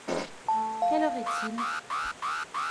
Quelle heure est-il ?